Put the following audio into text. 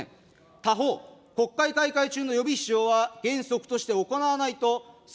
他方、国会開会中の予備費使用は、げんそくとして行わないとしています。